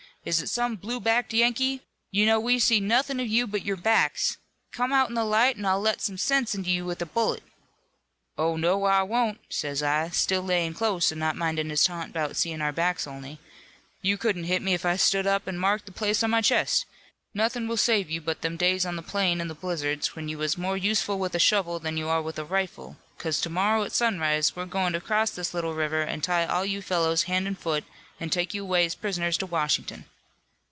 Is it some blue backed Yankee? You know we see nothin' of you but your backs. Come out in the light, an' I'll let some sense into you with a bullet.' "'Oh, no I won't,' says I, still layin' close, an' not mindin' his taunt 'bout seein' our backs only. 'You couldn't hit me if I stood up an' marked the place on my chest. Nothin' will save you but them days on the plain in the blizzards when you was more useful with a shovel than you are with a rifle, 'cause to morrow at sunrise we're goin' to cross this little river and tie all you fellows hand an' foot an' take you away as prisoners to Washington.'